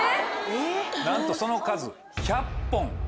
なんとその数１００本。